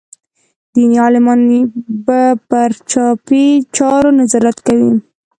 دیني عالمان به پر چاپي چارو نظارت کوي.